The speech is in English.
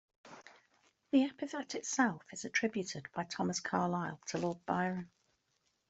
The epithet itself is attributed, by Thomas Carlyle, to Lord Byron.